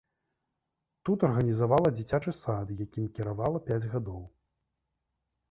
Тут арганізавала дзіцячы сад, якім кіравала пяць гадоў.